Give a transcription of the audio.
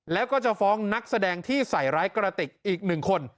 แล้วก็จะฟ้องนักแสดงที่ใส่ร้ายกระติกอีกหนึ่งคน